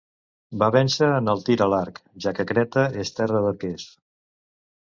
Va vèncer en el tir a l'arc, ja que Creta és terra d'arquers.